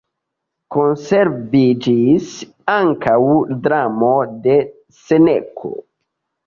Konserviĝis ankaŭ dramo de Seneko.